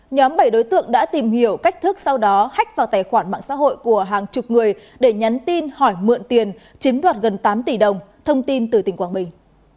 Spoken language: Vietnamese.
nhóm bảy đối tượng đã tìm hiểu cách thức sau đó hách vào tài khoản mạng xã hội của hàng chục người để nhắn tin hỏi mượn tiền chiếm đoạt gần tám tỷ đồng thông tin từ tỉnh quảng bình